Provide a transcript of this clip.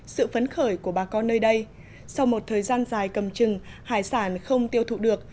sự phấn khởi của bà con nơi đây sau một thời gian dài cầm trừng hải sản không tiêu thụ được